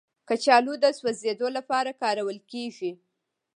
کچالو د سوځیدو لپاره کارول کېږي